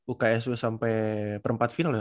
uksu sampai perempat final ya